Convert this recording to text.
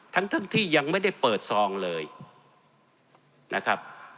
ทั้งที่ยังไม่ได้เปิดซองเลยนะครับ